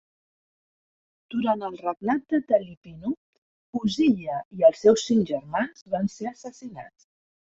Durant el regnat de Telipinu, Huzziya i els seus cinc germans van ser assassinats.